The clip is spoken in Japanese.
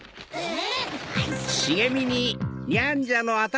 えっ⁉